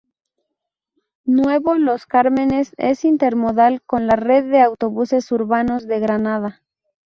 Nuevo Los Cármenes es intermodal con la la red de autobuses urbanos de Granada.